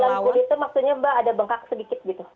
kulit itu maksudnya mbak ada bengkak sedikit gitu